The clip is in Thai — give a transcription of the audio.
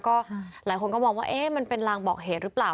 ก็หลายคนก็มองว่ามันเป็นรางบอกเหตุหรือเปล่า